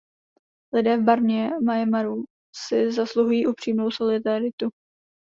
Lidé v Barmě/Myanmaru si zasluhují upřímnou solidaritu.